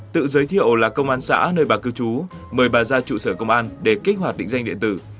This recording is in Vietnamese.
tự giới thiệu là công an xã nơi bà cư trú mời bà ra trụ sở công an để kích hoạt định danh điện tử